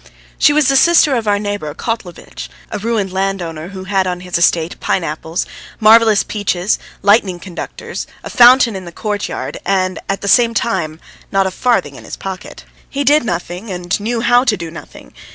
She was the sister of our neighbour, Kotlovitch, a ruined landowner who had on his estate pine apples, marvellous peaches, lightning conductors, a fountain in the courtyard, and at the same time not a farthing in his pocket. He did nothing and knew how to do nothing.